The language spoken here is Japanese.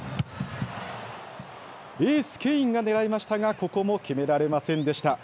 エース、ケインが狙いましたが、ここも決められませんでした。